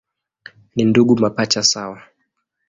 Ni ndugu mapacha sawa.